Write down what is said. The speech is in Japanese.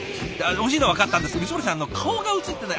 おいしいのはわかったんですけど光森さん顔が映ってない。